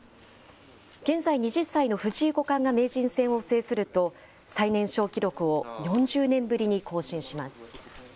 現在、２０歳の藤井五冠が名人戦を制すると、最年少記録を４０年ぶりに更新します。